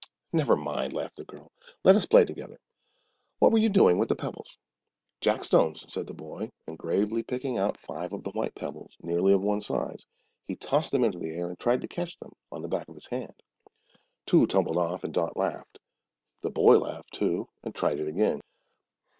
"Never mind," laughed the girl; "let us play together. What were you doing with the pebbles?" "Jack stones," said the boy, and gravely picking out five of the white pebbles, nearly of one size, he tossed them into the air and tried to catch them on the back of his hand. Two tumbled off, and Dot laughed. The boy laughed, too, and tried it again.